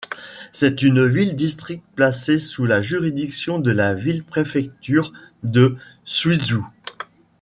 C'est une ville-district placée sous la juridiction de la ville-préfecture de Suizhou.